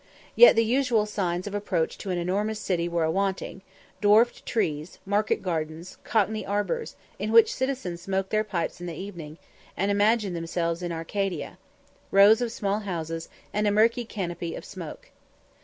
Yet the usual signs of approach to an enormous city were awanting dwarfed trees, market gardens, cockney arbours, in which citizens smoke their pipes in the evening, and imagine themselves in Arcadia, rows of small houses, and a murky canopy of smoke.